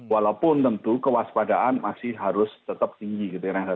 walaupun tentu kewaspadaan masih harus tetap tinggi gitu ya